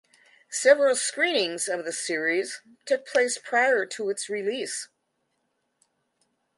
Several screenings of the series took place prior to its release.